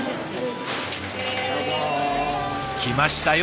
来ましたよ